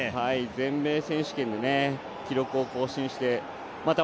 全米選手権で記録を更新してまた